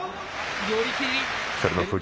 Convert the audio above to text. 寄り切り。